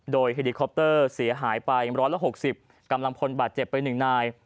โดยเฮลิคอปเตอร์เสียหายไป๑๖๐กำลังพลบาดเจ็บไป๑นาย